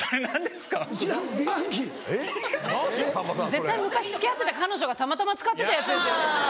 絶対昔付き合ってた彼女がたまたま使ってたやつですよねそれ。